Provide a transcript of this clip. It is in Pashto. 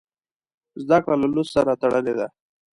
زده کړه له لوست سره تړلې ده.